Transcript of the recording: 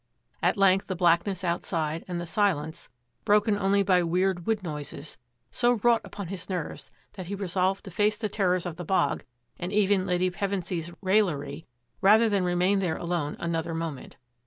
At length the blackness outside and the silence, broken only by weird wood noises, so wrought upon his nerves that he resolved to face the terrors of the bog and even Lady Pevensy's raillery rather than remain there alone another moment.